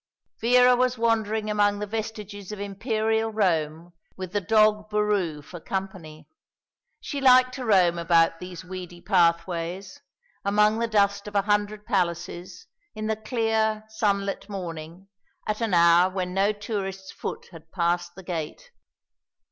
Vera was wandering among the vestiges of Imperial Rome with the dog Boroo for company. She liked to roam about these weedy pathways, among the dust of a hundred palaces, in the clear, sunlit morning, at an hour when no tourist's foot had passed the gate.